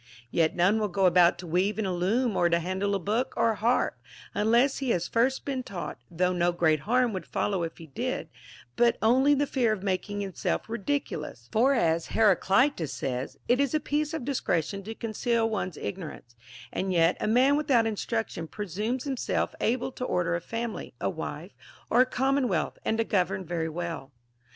Yet none will go about to weave in a loom or to handle a book or a harp, unless he has first been taught, though no great harm would follow if he did, but onlv the fear of makinir himself ridiculous (for, as Heraclitus says, it is a piece of discretion to conceal one's ignorance) ; and yet a man with out instruction presumes himself able to order a family, a wife, or a commonwealth, and to govern very well.